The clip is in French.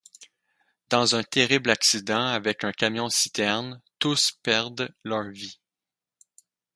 Dans un terrible accident avec un camion citerne, Tous perdent leur vie.